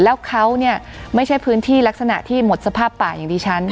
แล้วเขาเนี่ยไม่ใช่พื้นที่ลักษณะที่หมดสภาพป่าอย่างดิฉัน